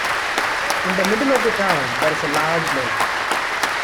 In the middle of the town, there is a large lake.